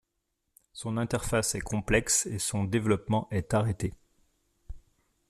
Son interface est complexe et son développement est arrêté.